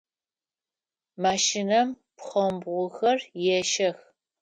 Машинэм пхъэмбгъухэр ещэх.